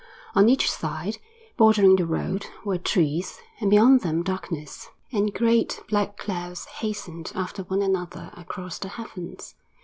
On each side, bordering the road, were trees, and beyond them darkness. And great black clouds hastened after one another across the heavens.